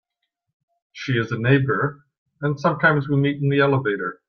She is a neighbour, and sometimes we meet in the elevator.